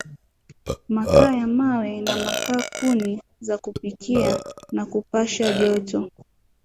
makaa ya mawe na makaa kuni za kupikia na kupasha joto